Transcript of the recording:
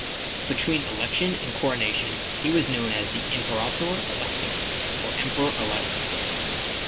Between election and coronation, he was known as the "imperator electus", or Emperor-elect.